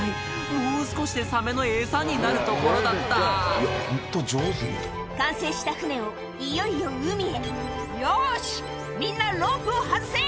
もう少しでサメのエサになるところだった完成した船をいよいよ海へ「よしみんなロープを外せ！」